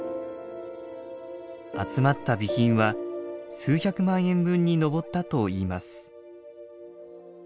集まった備品は数百万円分に上ったといいます。